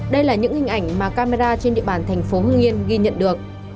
đây là những hình ảnh mà camera trên địa bàn thành phố hưng yên ghi nhận được